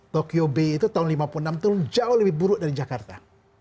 tokyo bay itu tahun seribu sembilan ratus lima puluh enam itu jauh lebih buruk dari jakarta